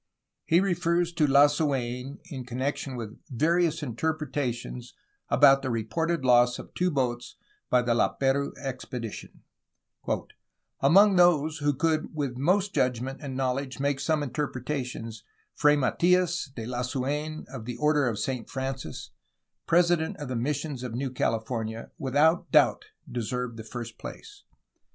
He refers to Lasu^n in con nection with various interpretations about the reported loss of two boats by the Lap^rouse expedition: "Among those who could with the most judgment and knowl edge make some interpretations, Fray Matias de Lasu^n, of the order of St. Francis, president of the missions of New Cali fornia, without doubt deserved the first place.